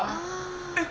えっ。